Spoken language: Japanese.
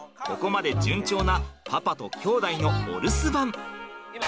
ここまで順調なパパと兄弟のお留守番。